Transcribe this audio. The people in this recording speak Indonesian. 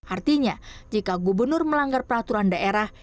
artinya jika gubernur melanggar peraturan daerah